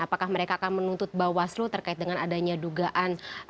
apakah mereka akan menuntut bawaslu terkait dengan adanya dugaan